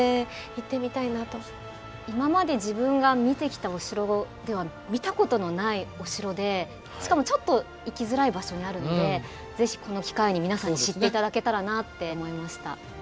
今まで自分が見てきたお城では見たことのないお城でしかもちょっと行きづらい場所にあるので是非この機会に皆さんに知って頂けたらなって思いました。